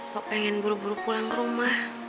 kok pengen buru buru pulang ke rumah